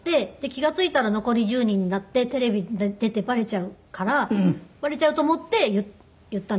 気が付いたら残り１０人になってテレビに出てバレちゃうからバレちゃうと思って言ったんです。